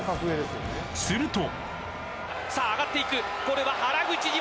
［すると］さあ上がっていくこれは原口に渡る。